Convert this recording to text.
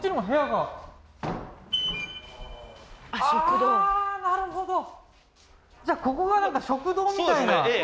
ああーなるほどじゃあここが食堂みたいなえ